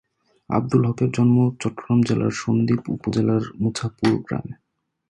আবদুল হকের জন্ম চট্টগ্রাম জেলার সন্দ্বীপ উপজেলার মুছাপুর গ্রামে।